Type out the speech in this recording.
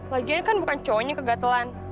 lagian kan bukan cowonya yang kegatelan